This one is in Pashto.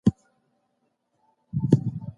هغې دا درک په ناڅاپي څېړنه کې ترلاسه کړ.